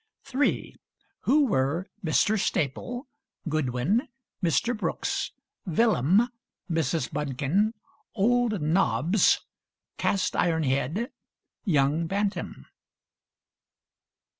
3. Who were Mr. Staple, Goodwin, Mr. Brooks, Villam, Mrs. Bunkin, "old Nobs," "cast iron head," young Bantam?